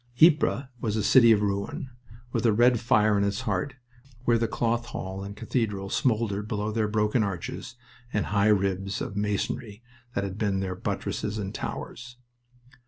Ypres was a city of ruin, with a red fire in its heart where the Cloth Hall and cathedral smoldered below their broken arches and high ribs of masonry that had been their buttresses and towers.